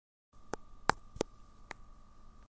現在要達到如何程度